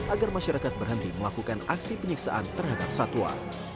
agar masyarakat berhenti melakukan aksi penyiksaan terhadap satwa